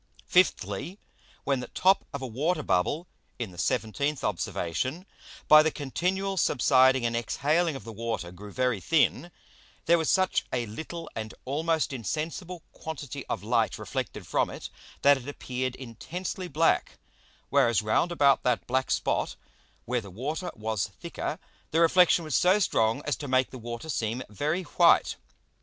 Fifthly, When the top of a Water Bubble (in the 17th Observation,) by the continual subsiding and exhaling of the Water grew very thin, there was such a little and almost insensible quantity of Light reflected from it, that it appeared intensely black; whereas round about that black Spot, where the Water was thicker, the Reflexion was so strong as to make the Water seem very white.